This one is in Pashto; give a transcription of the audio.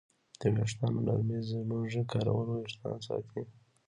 د ویښتانو نرمې ږمنځې کارول وېښتان ساتي.